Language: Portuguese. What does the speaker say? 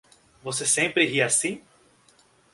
Você sempre ri assim?